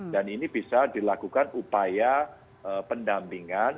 dan ini bisa dilakukan upaya pendampingan